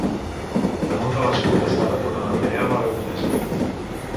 Damunt de l'escut està la corona reial aragonesa.